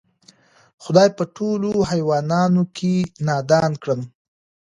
خدای په ټولوحیوانانو کی نادان کړم